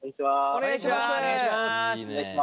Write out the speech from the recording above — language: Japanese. お願いします。